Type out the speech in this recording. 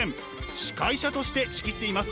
司会者として仕切っています。